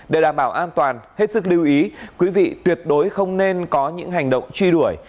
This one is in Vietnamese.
để đảm bảo an toàn hết sức lưu ý quý vị tuyệt đối không nên có những hành động truy đuổi